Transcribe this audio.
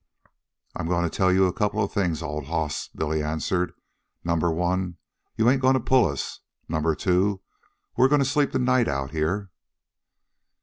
"I'm goin' to tell you a couple of things, old hoss," Billy answered. "Number one: you ain't goin' to pull us. Number two: we're goin' to sleep the night out here."